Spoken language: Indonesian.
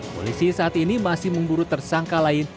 polisi saat ini masih memburu tersangka lain